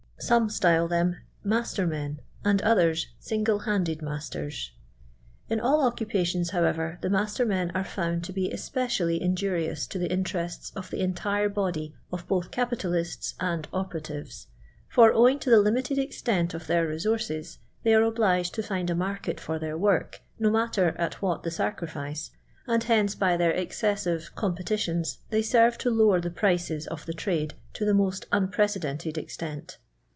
'* Some style them "master men/ awl I others, '' single handed masters." In all occapt' . tions, however, the miister men are found to be es* pecially injurious to the interests of the entire bodj of both CJipitalists and operatives, for, owing to the ; limited extent of their resources, they are obliged j to find a market for their work, no niatu>r at what the sacrifice, and hence by their excessive com I>eti tions they serve to lower the prices of the trade to a iiio>t unprecedented extent.